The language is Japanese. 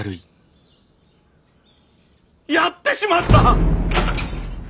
やってしまった！